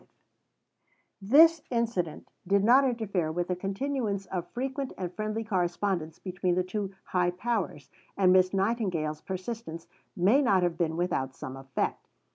V This incident did not interfere with the continuance of frequent and friendly correspondence between the two "high powers," and Miss Nightingale's persistence may not have been without some effect.